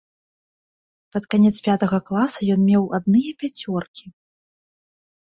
Пад канец пятага класа ён меў адныя пяцёркі.